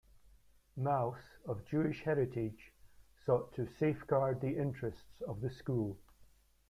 Mauss, of Jewish heritage, sought to "safeguard the interests" of the school.